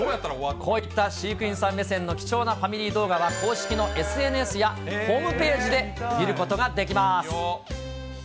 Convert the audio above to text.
こういった飼育員さん目線の貴重なファミリー動画は、公式のＳＮＳやホームページで見ること見よう。